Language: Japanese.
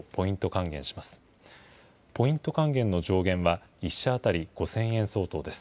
還元の上限は１社当たり５０００円相当です。